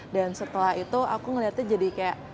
dan setelah itu aku melihatnya jadi kayak